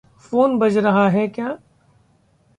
Phone बज रहा है क्या?